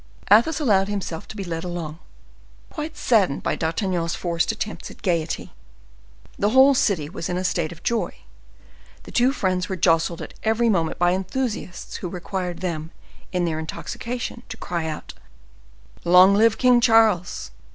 Athos allowed himself to be led along, quite saddened by D'Artagnan's forced attempts at gayety. The whole city was in a state of joy; the two friends were jostled at every moment by enthusiasts who required them, in their intoxication, to cry out, "Long live good King Charles!"